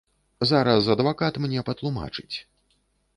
Зараз адвакат мне патлумачыць.